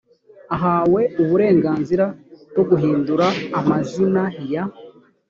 ahawe uburenganzira bwo guhidura amazina ya